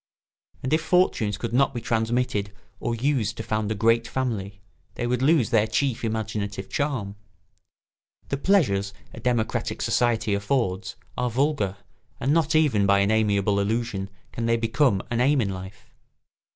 And if fortunes could not be transmitted or used to found a great family they would lose their chief imaginative charm. The pleasures a democratic society affords are vulgar and not even by an amiable illusion can they become an aim in life.